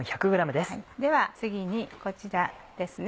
では次にこちらですね。